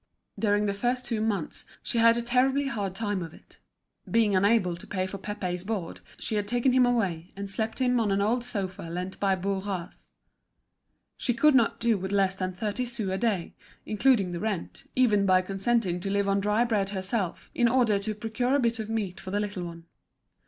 During the first two months she had a terribly hard time of it. Being unable to pay for Pépé's board, she had taken him away, and slept him on an old sofa lent by Bourras. She could not do with less than thirty sous a day, including the rent, even by consenting to live on dry bread herself, in order to procure a bit of meat for the little one.